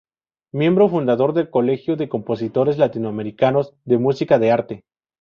Miembro Fundador del Colegio de Compositores Latinoamericanos de Música de Arte.